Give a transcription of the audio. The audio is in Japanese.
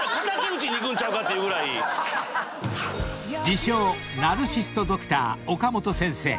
［自称ナルシスト・ドクター岡本先生］